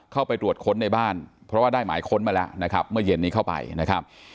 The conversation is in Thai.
เข้าไปตรวจค้นในบ้านเพราะว่าได้หมายค้นมาแล้วนะครับเมื่อเย็นนี้เข้าไปนะครับ